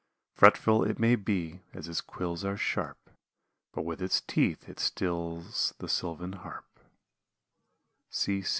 Fretful it may be, as its quills are sharp, But with its teeth it stills the sylvan harp.